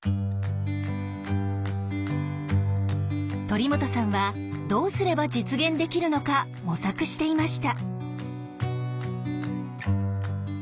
鳥本さんはどうすれば実現できるのか模索していました。